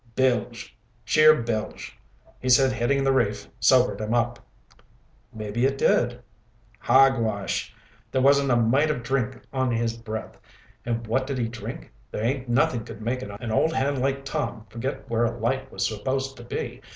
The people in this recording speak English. "Bilge! Sheer bilge! He said hitting the reef sobered him up." "Maybe it did," Jerry ventured. "Hogwash. There wasn't a mite of drink on his breath. And what did he drink? There ain't nothing could make an old hand like Tom forget where a light was supposed to be.